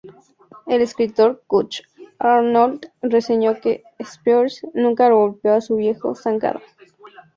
El escritor Chuck Arnold reseñó que Spears "nunca golpeó a su viejo zancada".